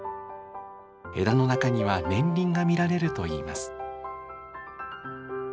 枝の中には年輪が見られるといいます。